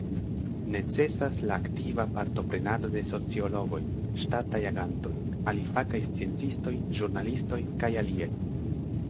Necesas la aktiva partoprenado de sociologoj, ŝtataj agantoj, alifakaj sciencistoj, ĵurnalistoj, kaj aliaj.